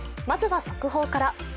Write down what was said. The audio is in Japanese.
まずは速報から。